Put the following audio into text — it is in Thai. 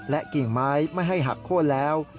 กิ่งไม้ไม่ให้หักโค้นแล้ว